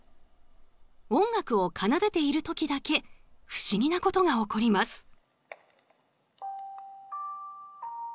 音楽を奏でている時だけ不思議なことが起こります。